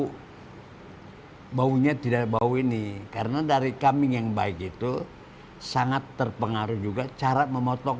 hai baunya tidak bau ini karena dari kambing yang baik itu sangat terpengaruh juga cara memotong